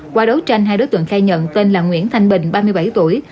qua đấu tranh hai đối tượng khai nhận tên là nguyễn thanh bình ba mươi bảy tuổi